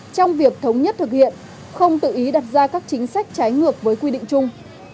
trong việc thống nhất thực hiện không tự ý đặt ra các chính sách trái ngược với quy định chung